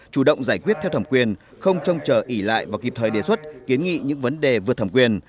chủ động giải quyết theo thẩm quyền không trông chờ ỉ lại và kịp thời đề xuất kiến nghị những vấn đề vượt thẩm quyền